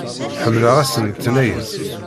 Ḥemmleɣ ass n letniyen!